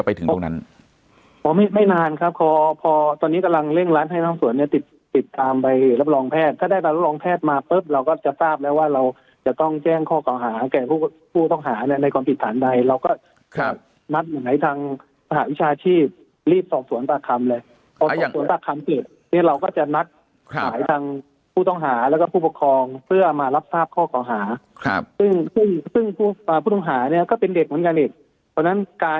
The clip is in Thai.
พอไม่นานครับพอตอนนี้กำลังเร่งรันให้ทางสวนเนี่ยติดตามใบรับรองแพทย์ถ้าได้รับรองแพทย์มาปุ๊บเราก็จะทราบแล้วว่าเราจะต้องแจ้งข้อกอหาแก่ผู้ต้องหาในความผิดฐานใดเราก็นัดไหนทางวิชาชีพรีบสอบสวนปรับคำเลยสอบสวนปรับคำเนี่ยเราก็จะนัดหลายทางผู้ต้องหาแล้วก็ผู้ปกครองเพื่อมารับทราบข้อกอหา